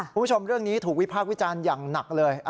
คุณผู้ชมเรื่องนี้ถูกวิพากษ์วิจารณ์อย่างหนักเลย